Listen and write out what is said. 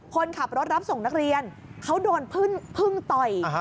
คนขับรถรับส่งนักเรียนเขาโดนพึ่งต่อย